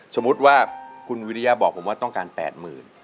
สมมุติว่าคุณวิริยาบอกผมว่าต้องการ๘๐๐๐บาท